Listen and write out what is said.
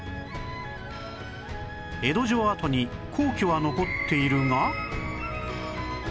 江戸城跡に皇居は残っているが